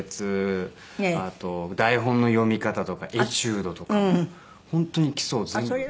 あと台本の読み方とかエチュードとか本当に基礎を全部。